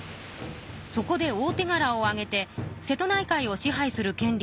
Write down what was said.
そこで大てがらを上げて瀬戸内海を支配するけん